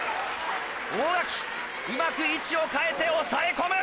大垣うまく位置を変えて抑え込む！